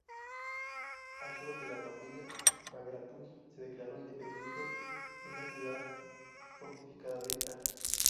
Ashot, de la familia Bagratuni, se declaró independiente en la ciudad fortificada de Ani.